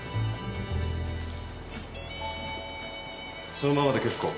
そのままで結構。